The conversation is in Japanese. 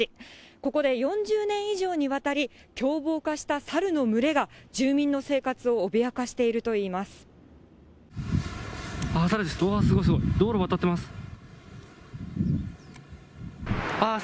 ここで４０年以上にわたり、凶暴化したサルの群れが、住民の生活を脅かしているといいます。